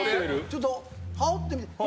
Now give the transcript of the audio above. ちょっと、羽織ってみて。